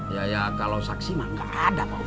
ya ya kalau saksi mah enggak ada pak ustadz